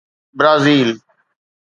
Brazil